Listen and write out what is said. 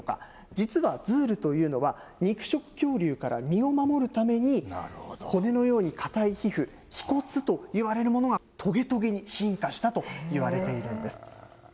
実はズールというのは、肉食恐竜から身を守るために、骨のように固い皮膚、皮骨といわれるものがトゲトゲに進化したといわれているんです。